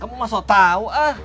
kamu mah sok tau ah